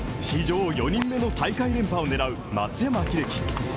史上４人目の大会連覇を狙う松山英樹。